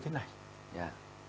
điểm này là